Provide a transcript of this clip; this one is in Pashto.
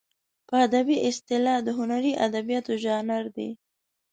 په ادبي اصطلاح د هنري ادبیاتو ژانر دی.